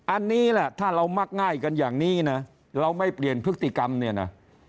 อันนี้แหละถ้าเรามักง่ายกันอย่างนี้นะเราไม่เปลี่ยนพฤติกรรมเนี่ยนะ